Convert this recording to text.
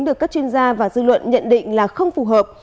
được các chuyên gia và dư luận nhận định là không phù hợp